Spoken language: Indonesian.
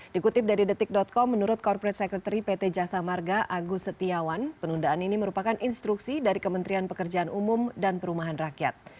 dikutip dari detik com menurut corporate secretary pt jasa marga agus setiawan penundaan ini merupakan instruksi dari kementerian pekerjaan umum dan perumahan rakyat